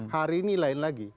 hari ini lain lagi